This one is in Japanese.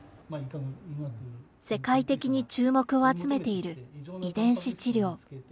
世界的に注目を集めている遺伝子治療。